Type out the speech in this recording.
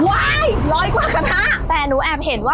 ว้ายร้อยกว่ากระทะ